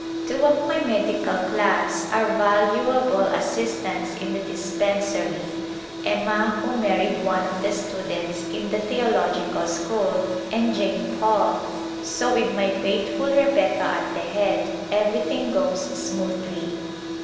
Two of my medical class are valuable assistants in the dispensary, Emma, who married one of the students in the theological school, and Jane Paul, so with my faithful Rebecca at the head everything goes smoothly.